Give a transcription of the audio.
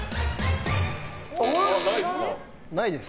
ないです。